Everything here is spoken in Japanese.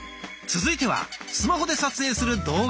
続いてはスマホで撮影する動画。